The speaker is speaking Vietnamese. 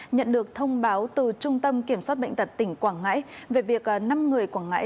nhận được thông báo từ trung tâm kiểm soát bệnh tật tỉnh quảng ngãi về việc năm người quảng ngãi